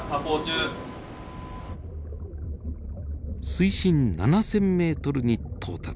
水深７，０００ｍに到達。